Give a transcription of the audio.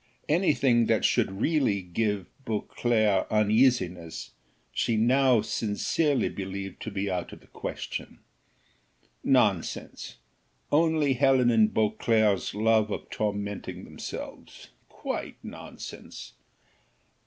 Anything that should really give Beauclerc uneasiness, she now sincerely believed to be out of the question. Nonsense only Helen and Beauclerc's love of tormenting themselves quite nonsense!